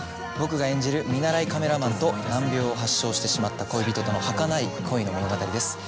僕が演じる見習いカメラマンと難病を発症してしまった恋人とのはかない恋の物語です。